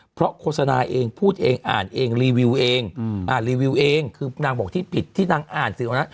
เพราะโฆษณาเองพูดเองอ่านเองรีวิวเองอ่านรีวิวเองคือนางบอกที่ผิดที่นางอ่านสิวนะ